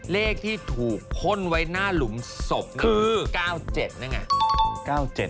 เลขที่ถูกพ่นไว้หน้าหลุมศพคือ๙๗นั่นไง